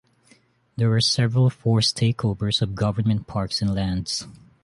There were several forced takeovers of government parks and lands.